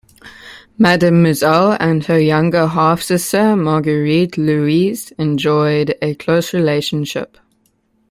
Mademoiselle and her younger half sister Marguerite Louise enjoyed a close relationship.